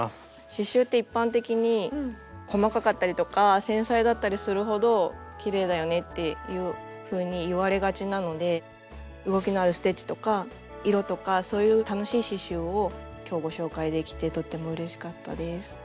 刺しゅうって一般的に細かかったりとか繊細だったりするほどきれいだよねっていうふうに言われがちなので動きのあるステッチとか色とかそういう楽しい刺しゅうを今日ご紹介できてとってもうれしかったです。